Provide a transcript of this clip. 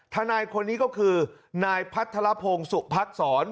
ทนายคนนี้ก็คือนายพัทรพงศ์สุพักษร